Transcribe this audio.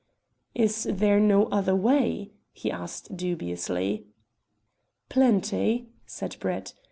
"Is there no other way?" he asked dubiously. "Plenty," said Brett.